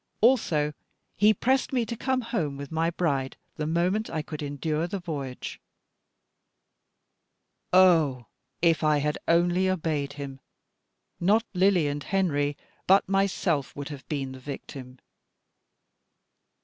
Also he pressed me to come home with my bride the moment I could endure the voyage. Ah! if I had only obeyed him, not Lily and Henry, but myself would have been the victim.